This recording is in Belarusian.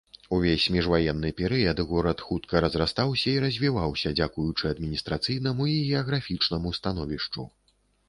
Увесь міжваенны перыяд горад хутка разрастаўся і развіваўся дзякуючы адміністрацыйнаму і геаграфічнаму становішчу.